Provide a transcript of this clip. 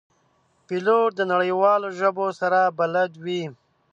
پیلوټ د نړیوالو ژبو سره بلد وي.